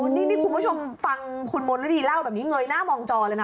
นี่คุณผู้ชมฟังคุณมณฤดีเล่าแบบนี้เงยหน้ามองจอเลยนะ